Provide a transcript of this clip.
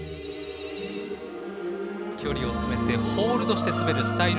距離を詰めてホールドして滑るスタイル